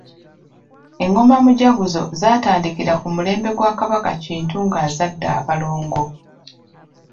Engoma mujaguzo zaatandikira ku mulembe gwa Kabaka Kintu ng'azadde abalongo.